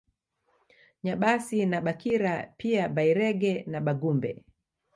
Nyabasi na Bakira pia Bairege na Bagumbe